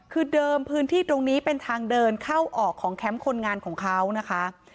คือเดิมพื้นที่ตรงนี้เป็นทางเดินเข้าออกของแคมป์คนงานของเขานะคะ